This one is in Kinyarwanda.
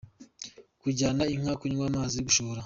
Kujyana inka kunywa amazi : Gushora.